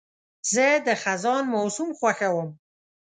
زه د خزان موسم خوښوم.